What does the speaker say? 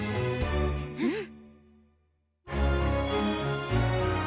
うん！